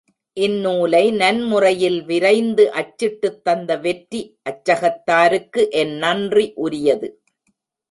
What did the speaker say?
இந்நூலை நன்முறையில் விரைந்து அச்சிட்டுத் தந்த வெற்றி அச்சகத்தாருக்கு என் நன்றி உரியது.